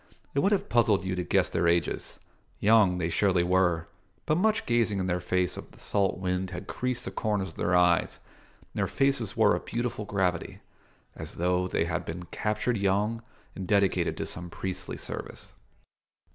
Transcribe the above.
It would have puzzled you to guess their ages. Young they surely were, but much gazing in the face of the salt wind had creased the corners of their eyes, and their faces wore a beautiful gravity, as though they had been captured young and dedicated to some priestly service.